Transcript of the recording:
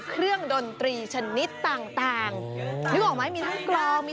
เชื่อสายรับแผนนี้